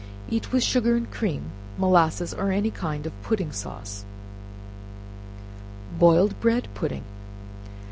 Eat with sugar and cream, molasses, or any kind of pudding sauce. Boiled Bread Pudding.